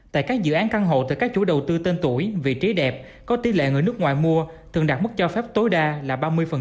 tại các dự án căn hộ từ các chủ đầu tư tên tuổi vị trí đẹp có tỷ lệ người nước ngoài mua thường đạt mức cho phép tối đa là ba mươi